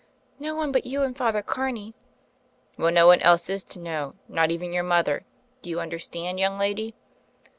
"No one, but you and Father Carney." "Well, no one else is to know — not even your mother. Do you understand, young lady?"